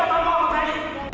aduh lu mau berikut masjid